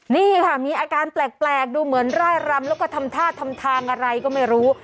นี่ค่ะมีอาการแปลกดูเหมือนร่ายรำแล้วก็ทำท่าทำทางอะไรก็ไม่รู้